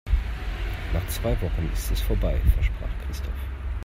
"Nach zwei Wochen ist es vorbei", versprach Christoph.